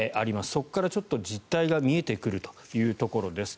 そこから実態が見えてくるというところです。